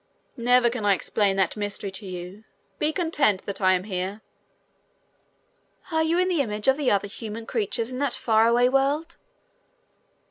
"Never can I explain that mystery to you. Be content that I am here." "Are you in the image of the other human creatures in that far away world?"